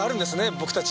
僕たち。